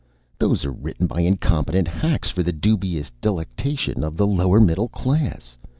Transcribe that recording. These are written by incompetent hacks for the dubious delectation of the lower middle class.